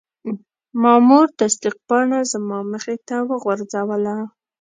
مامور تصدیق پاڼه زما مخې ته وغورځوله.